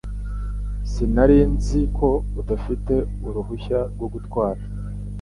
Sinari nzi ko udafite uruhushya rwo gutwara.